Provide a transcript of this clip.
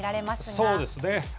そうですね。